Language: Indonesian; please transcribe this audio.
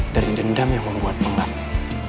dari dendam yang membuat mengganggu